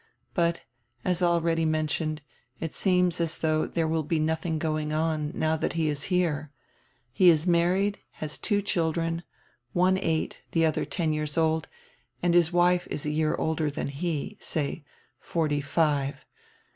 But, as already mentioned, it seems as though diere will be nothing going on, now diat he is here. He is married, has two children, one eight, die odier ten years old, and his wife is a year elder than he — say, forty five.